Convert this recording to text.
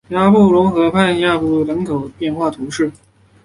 雅布龙河畔蒙布谢尔人口变化图示